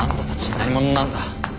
何者なんだ？